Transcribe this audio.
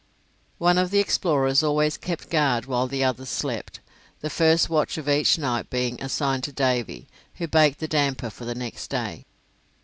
One of the explorers always kept guard while the others slept, the first watch of each night being assigned to Davy, who baked the damper for the next day.